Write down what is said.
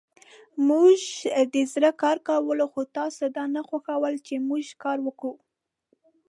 موژدزړه کارکول خوتاسی دانه خوښول چی موژکاروکوو